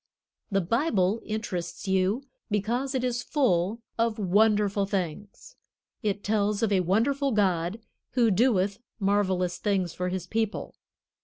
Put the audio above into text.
The Bible interests you because it is full of wonderful things. It tells of a wonderful God who doeth marvelous things for His people.